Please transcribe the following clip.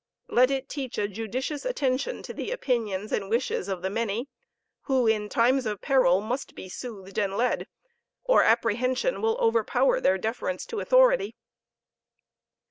Let it teach a judicious attention to the opinions and wishes of the many, who, in times of peril, must be soothed and led, or apprehension will overpower the deference to authority.